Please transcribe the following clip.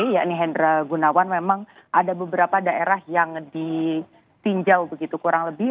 yakni hendra gunawan memang ada beberapa daerah yang ditinjau begitu kurang lebih